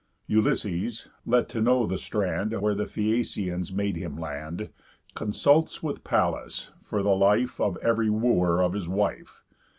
Ulysses (let to know the strand Where the Phæacians made him land) Consults with Pallas, for the life Of ev'ry wooer of his wife.